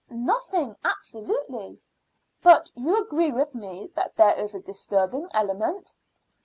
"Nothing absolutely." "But you agree with me that there is a disturbing element?"